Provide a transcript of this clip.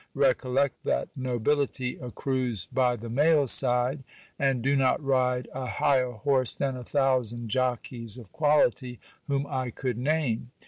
Recollect that nobility accrues by the male side, and do not ride a higher horse than a thousand jockeys of quality whom I could name.